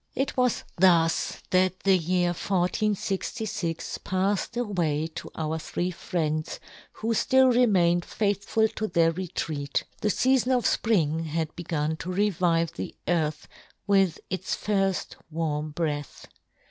It was thus that the year 1466 pafled away to our three friends, who ftill remained faithful to their retreat ; the feafon of Spring had be gun to revive the earth with its firfl warm breath.